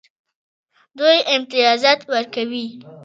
دوی امتیازات ورکوي.